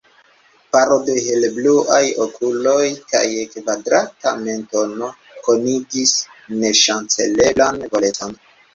Paro da helbluaj okuletoj kaj kvadrata mentono konigis neŝanceleblan volecon.